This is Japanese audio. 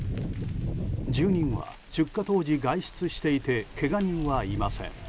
住民は出火当時、外出していてけが人はいません。